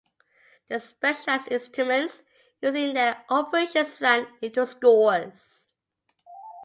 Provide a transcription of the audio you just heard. The specialized instruments used in their operations ran into scores.